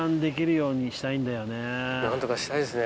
何とかしたいですね